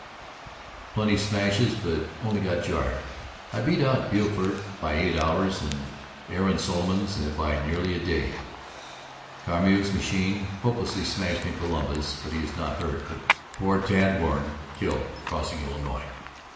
Plenty smashes but only got jarred. I beat out Beaufort by eight hours, and Aaron Solomons by nearly a day. Carmeau's machine hopelessly smashed in Columbus, but he was not hurt, but poor Tad Warren killed crossing Illinois.